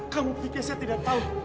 kamu pikir saya tidak tahu